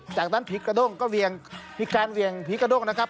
จากนั้นผีกระด้งก็เหวี่ยงมีการเหวี่ยงผีกระด้งนะครับ